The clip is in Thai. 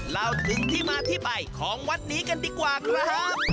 เล่าถึงที่มาที่ไปของวัดนี้กันดีกว่าครับ